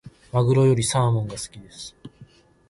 マグロよりサーモンが好きです。